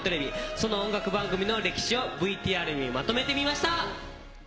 その音楽番組の歴史をＶＴＲにまとめてみました。